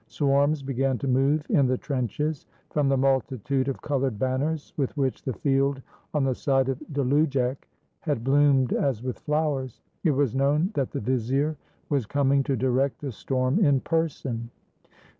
Swarms began to move in the trenches. From the multitude of colored banners with which the field on the side of Dlujek had bloomed as with flowers, it was known that the vizier was coming to direct the storm in person.